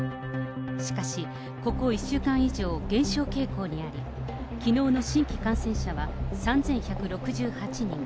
しかし、ここ１週間以上、減少傾向にあり、きのうの新規感染者は３１６８人。